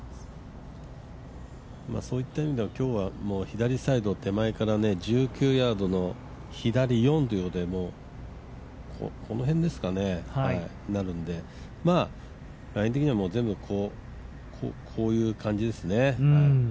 そういった意味では今日は左サイド手前から１９ヤードでこの辺になるので、ライン的には全部こういう感じですね。